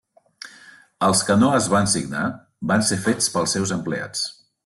Els que no es van signar, van ser fets pels seus empleats.